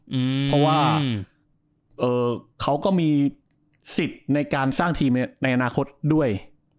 เพราะว่าเขาก็มีสิทธิ์ในการสร้างทีมในอนาคตด้วย